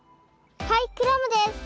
はいクラムです！